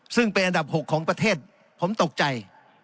ซึ่งเป็นอันดับ๖ของประเทศผมตกใจ